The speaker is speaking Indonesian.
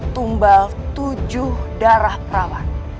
tumbal tujuh darah perawan